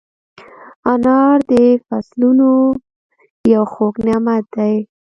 انار د فصلونو یو خوږ نعمت دی.